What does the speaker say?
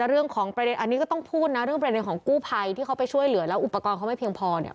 เรื่องของประเด็นอันนี้ก็ต้องพูดนะเรื่องประเด็นของกู้ภัยที่เขาไปช่วยเหลือแล้วอุปกรณ์เขาไม่เพียงพอเนี่ย